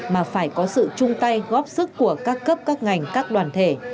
mà phải có sự chung tay góp sức của các cấp các ngành các đoàn thể